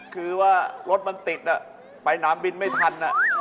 คือว่ารถมันติดไปนามบินไม่ทัน